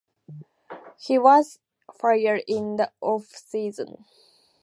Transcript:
He was fired in the off-season.